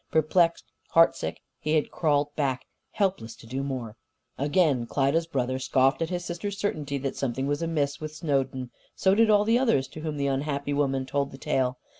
Perplexed, heartsick, he had crawled back; helpless to do more. Again, Klyda's brother scoffed at his sister's certainty that something was amiss with Snowden. So did all others to whom the unhappy woman told the tale.